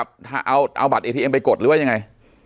ปากกับภาคภูมิ